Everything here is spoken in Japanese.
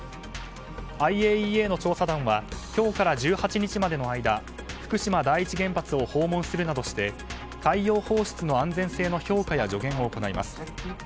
ＩＡＥＡの調査団は今日から１８日までの間福島第一原発を訪問するなどして海洋放出の安全性の評価や助言を行います。